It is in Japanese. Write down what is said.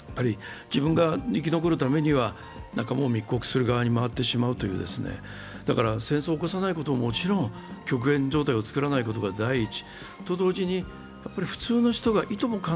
自分が生き残るためには仲間を密告する側に回ってしまうという、戦争を起こさないことはもちろん極限状態を作らないことが第一。と同時に普通の人がいとも